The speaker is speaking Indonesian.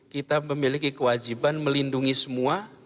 kita memiliki kewajiban melindungi semua